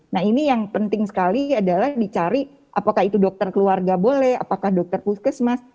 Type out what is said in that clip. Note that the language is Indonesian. nah ini yang penting sekali adalah dicari apakah itu dokter keluarga boleh apakah dokter puskesmas